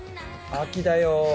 秋だよ。